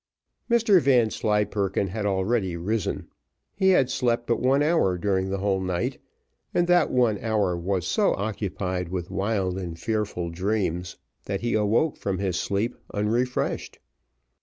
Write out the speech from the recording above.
Mr Vanslyperken had already risen; he had slept but one hour during the whole night, and that one hour was so occupied with wild and fearful dreams that he awoke from his sleep unrefreshed.